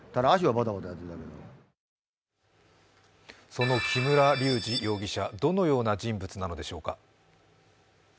その木村隆二容疑者、どのような人物なのでしょうか。